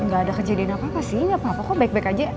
nggak ada kejadian apa apa sih nggak apa apa kok baik baik aja